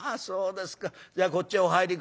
じゃあこっちお入り下さいましな。